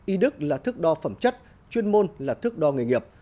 y đức là thức đo phẩm chất chuyên môn là thức đo nghề nghiệp